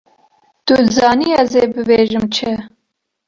Tu dizanî ez ê bibêjim çi!